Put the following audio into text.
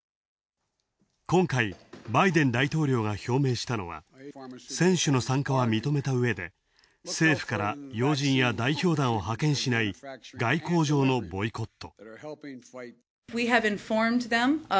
今回バイデン大統領が表明したのは、選手の参加は認めた上で、政府からは要人や代表団を派遣しない、外交上のボイコット。